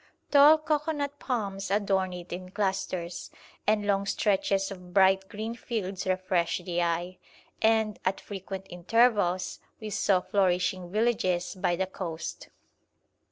Tall cocoanut palms adorn it in clusters, and long stretches of bright green fields refresh the eye; and, at frequent intervals, we saw flourishing villages by the coast.